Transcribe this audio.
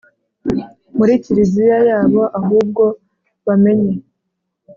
muri kiliziya yabo, ahubwo bamenye